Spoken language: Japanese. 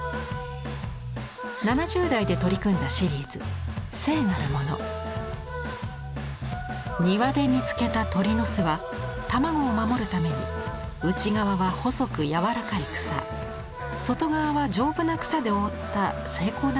７０代で取り組んだシリーズ庭で見つけた鳥の巣は卵を守るために内側は細く柔らかい草外側は丈夫な草で覆った精巧な作りでした。